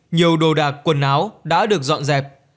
nhiều đồ đạc quần áo đã được dọn dẹp